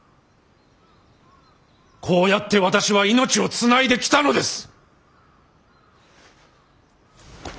こうやって私は命を繋いできたのです！